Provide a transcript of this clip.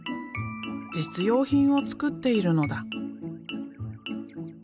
実用品を作っているのだ。